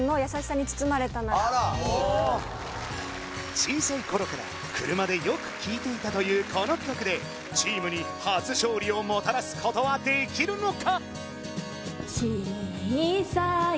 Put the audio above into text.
小さい頃から車でよく聴いていたというこの曲でチームに初勝利をもたらすことはできるのか？